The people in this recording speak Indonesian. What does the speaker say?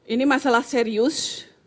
ini masalah serius